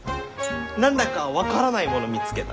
何だか分からないもの見つけた。